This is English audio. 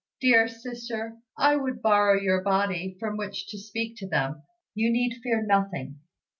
Dear sister, I would borrow your body, from which to speak to them. You need fear nothing."